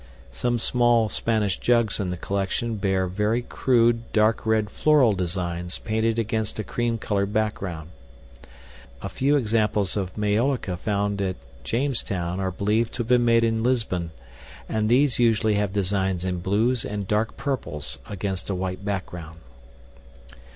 Some small Spanish jugs in the collection bear very crude dark red floral designs painted against a cream colored background. A few examples of maiolica found at Jamestown are believed to have been made in Lisbon, and these usually have designs in blues and dark purples against a white background.